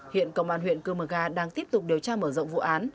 hiện công an huyện cơ mờ ga đang tiếp tục điều tra mở rộng vụ án